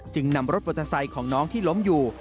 จึงนำรถปลอดภัยของน้องที่ล้มอยู่